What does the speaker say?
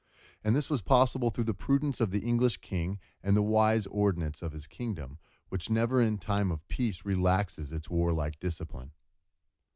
And this was possible through the prudence of the English king and the wise ordinances of his kingdom, which never in time of peace relaxes its warlike discipline.